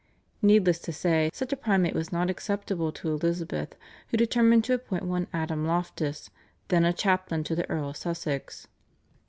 Needless to say such a primate was not acceptable to Elizabeth who determined to appoint one Adam Loftus, then a chaplain to the Earl of Sussex.